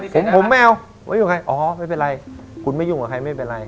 ผมผมไม่เอาไม่อยู่กับใครอ๋อไม่เป็นไรคุณไม่ยุ่งกับใครไม่เป็นไร